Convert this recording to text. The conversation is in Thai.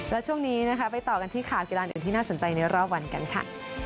และช่วงนี้นะคะไปต่อกันที่ข่าวกีฬาอื่นที่น่าสนใจในรอบวันกันค่ะ